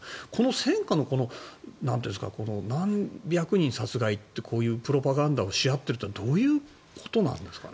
戦果の何百人殺害ってこういうプロパガンダをし合っているというのはどういうことなんですかね。